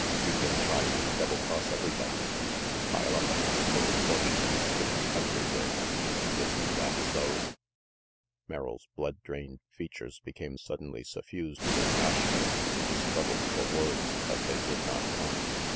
"You've been trying to double cross everybody, to pile up a nice little fortune to skip the country with. Isn't that so?" Merrill's blood drained features became suddenly suffused with passion. He struggled for words, but they would not come.